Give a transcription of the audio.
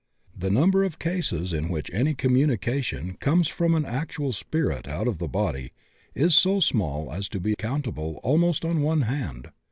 The number of cases in which any communication comes from an actual spirit out of the body is so small as to be countable almost on one hand.